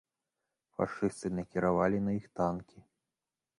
Фашысты накіравалі на іх танкі.